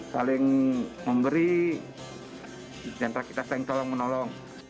saling memberi sentra kita saling tolong menolong